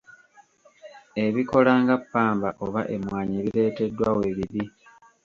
Ebikola nga ppamba oba emmwanyi bireeteddwa we biri.